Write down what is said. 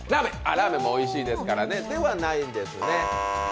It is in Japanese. ラーメンもおいしいですからね、ではないんですね。